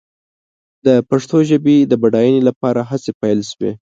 د پښتو ژبې د بډاینې لپاره هڅې پيل شوې.